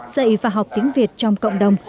dạy và học tiếng việt trong cộng đồng